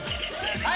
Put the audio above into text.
はい。